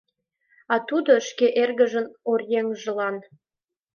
А тудо — шке эргыжын оръеҥжылан.